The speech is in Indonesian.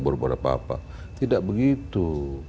menjawab bapak tidak begitu